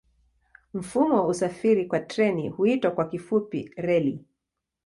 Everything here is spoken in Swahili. Mfumo wa usafiri kwa treni huitwa kwa kifupi reli.